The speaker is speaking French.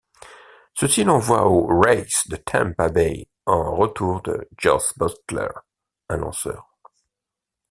Ceux-ci l'envoient aux Rays de Tampa Bay en retour de Josh Butler, un lanceur.